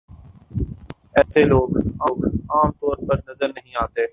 ایسے لوگ عام طور پر نظر نہیں آتے ۔